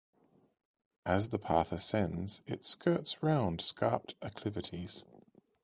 As the path ascends it skirts round scarped acclivities.